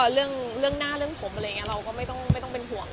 เรื่องหน้าเรื่องผมเราก็ไม่ต้องเป็นห่วง